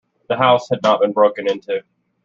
The house had not been broken into.